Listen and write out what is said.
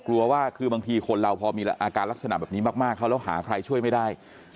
บางทีคนเราพอมีอาการลักษณะแบบนี้มากเขาหาใครช่วยไม่ได้